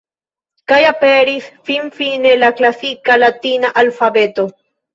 Kaj aperis finfine la "klasika" latina alfabeto.